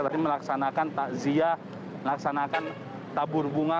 tadi melaksanakan takziah melaksanakan tabur bunga